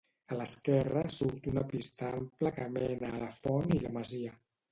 A l'esquerra surt una pista ampla que mena a la font i la masia.